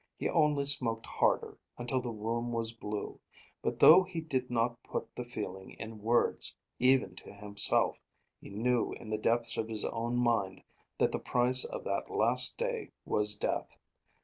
He only smoked harder, until the room was blue; but though he did not put the feeling in words even to himself, he knew in the depths of his own mind that the price of that last day was death.